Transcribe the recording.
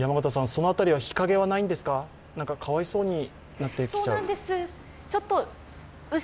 その辺りは日陰はないんですかなんかかわいそうになってきちゃう